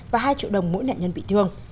và hai triệu đồng mỗi nạn nhân bị thương